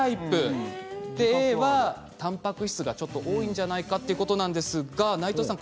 でＡはたんぱく質がちょっと多いんじゃないかっていうことなんですが内藤さん